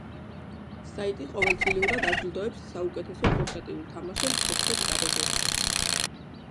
საიტი ყოველწლიურად აჯილდოებს საუკეთესო პორტატიულ თამაშებს თერთმეტ კატეგორიაში.